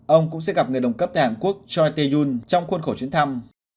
ông cũng sẽ gặp người đồng cấp tại hàn quốc choi tae yoon trong khuôn khổ chuyến thăm